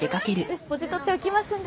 ベスポジ取っておきますんで。